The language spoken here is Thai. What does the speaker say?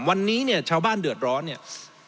วันนี้เนี่ยชาวบ้านเดือดร้อนเนี่ย